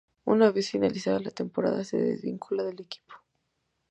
Una vez finalizada la temporada, se desvincula del equipo.